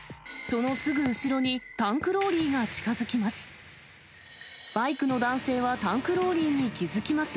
そのすぐ後ろにタンクローリーが近づきます。